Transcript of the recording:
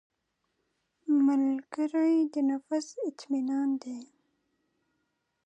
ملګری د نفس اطمینان دی